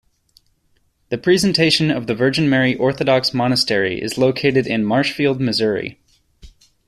The Presentation of the Virgin Mary Orthodox Monastery is located in Marshfield, Missouri.